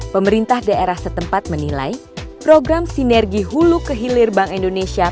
pemerintah daerah setempat menilai program sinergi hulu kehilir bank indonesia